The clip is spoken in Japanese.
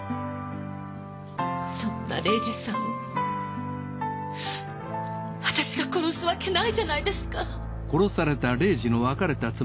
そんな礼司さんを私が殺すわけないじゃないですか！